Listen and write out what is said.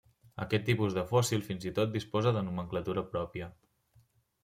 Aquest tipus de fòssil fins i tot disposa de nomenclatura pròpia.